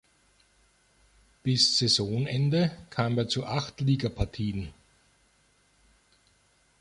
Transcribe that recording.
Bis Saisonende kam er zu acht Ligapartien.